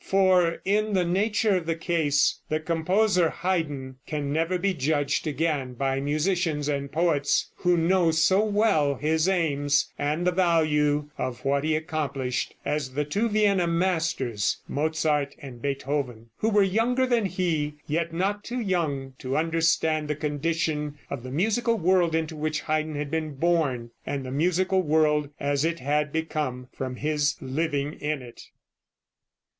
For, in the nature of the case, the composer, Haydn, can never be judged again by musicians and poets who know so well his aims and the value of what he accomplished as the two Vienna masters, Mozart and Beethoven, who were younger than he, yet not too young to understand the condition of the musical world into which Haydn had been born, and the musical world as it had become from his living in it.